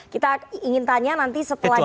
kita ingin tanya nanti setelah jeda